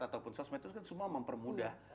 ataupun sosial media itu kan semua mempermudah